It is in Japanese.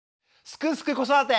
「すくすく子育て」。